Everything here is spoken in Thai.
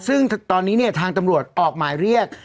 ซึ่งตอนนี้เนี่ยทางตำรวจออกหมายเรียก